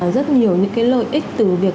rất nhiều những cái lợi ích từ việc